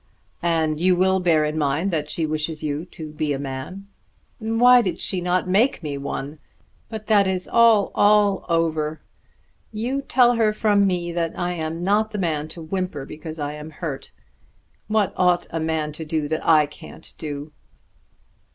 "And you will bear in mind that she wishes you to be a man." "Why did she not make me one? But that is all, all over. You tell her from me that I am not the man to whimper because I am hurt. What ought a man to do that I can't do?"